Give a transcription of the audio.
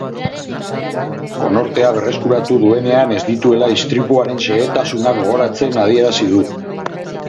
Konortea berreskuratu duenean ez dituela istripuaren xehetasunak gogoratzen adierazi du.